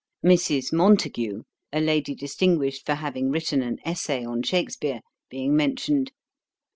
Mrs. Montagu, a lady distinguished for having written an Essay on Shakspeare, being mentioned.